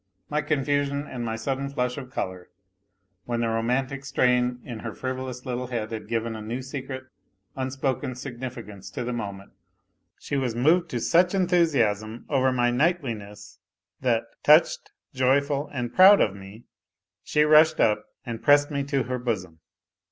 my confusion and my sudden flush of colour, when the romantic strain in her frivolous little head had given a new secret, unspoken significance to the moment she was moved to such enthusiasm over my " knightliness," that touched, joyful and proud of me, she rushed up and pressed me to her bosom.